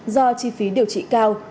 do chi phí điều trị cao